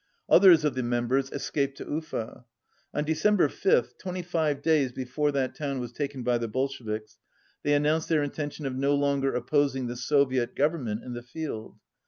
Others of the members escaped to Ufa. On December 5th, 25 days before that town was taken by the Bolsheviks, they an nounced their intention of no longer opposing the Soviet Government in the field.